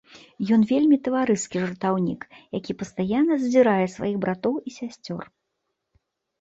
Ён вельмі таварыскі жартаўнік, які пастаянна задзірае сваіх братоў і сясцёр.